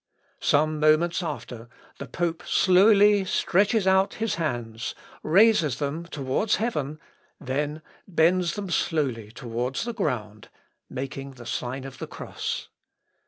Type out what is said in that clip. Some moments after, the pope slowly stretches out his hands, raises them towards heaven, then bends them slowly towards the ground, making the sign of the cross.